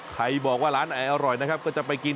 ใครบอกว่าร้านไหนอร่อยนะครับก็จะไปกิน